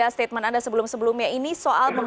cara berpikir oke